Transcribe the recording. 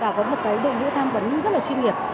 và có một cái đội ngũ tham vấn rất là chuyên nghiệp